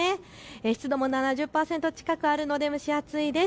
湿度も７０％近くあるので蒸し暑いです。